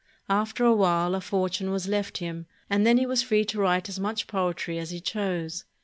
After a while a fortune was left him, and then he was free to write as much poetry as he chose.